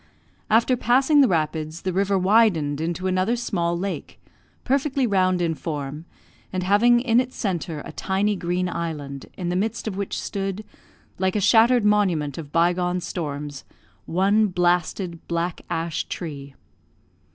After passing the rapids, the river widened into another small lake, perfectly round in form, and having in its centre a tiny green island, in the midst of which stood, like a shattered monument of bygone storms, one blasted, black ash tree.